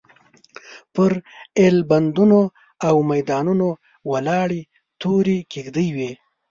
پر ایلبندونو او میدانونو ولاړې تورې کېږدۍ وې.